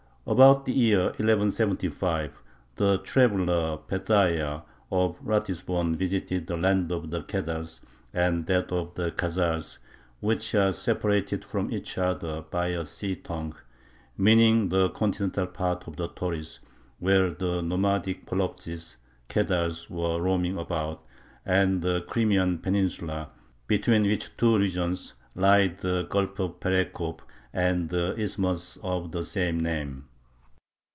About the year 1175 the traveler Pethahiah of Ratisbon visited "the land of the Kedars and that of the Khazars, which are separated from each other by a sea tongue," meaning the continental part of Tauris, where the nomadic Polovtzis (Kedars) were roaming about, and the Crimean Peninsula, between which two regions lie the Gulf of Perekop and the isthmus of the same name.